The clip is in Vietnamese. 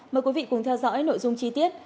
mời quý vị cùng theo dõi nội dung chi tiết